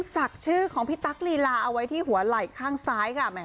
ศักดิ์ชื่อของพี่ตั๊กลีลาเอาไว้ที่หัวไหล่ข้างซ้ายค่ะ